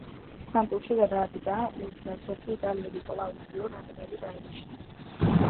სანტუში გადადგა, მის ნაცვლად კი იტალიელი კლაუდიო რანიერი დაინიშნა.